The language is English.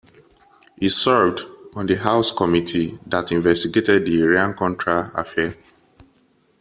He served on the House committee that investigated the Iran-Contra Affair.